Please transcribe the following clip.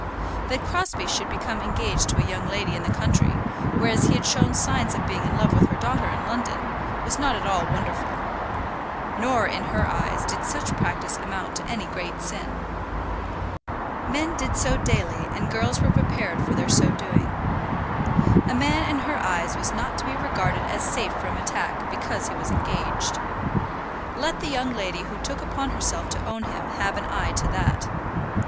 That Crosbie should become engaged to a young lady in the country, whereas he had shown signs of being in love with her daughter in London, was not at all wonderful. Nor, in her eyes, did such practice amount to any great sin. Men did so daily, and girls were prepared for their so doing. A man in her eyes was not to be regarded as safe from attack because he was engaged. Let the young lady who took upon herself to own him have an eye to that.